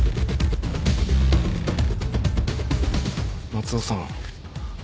松尾さん。